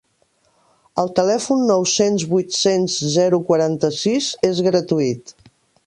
El telèfon nou-cents vuit-cents zero quaranta-sis és gratuït.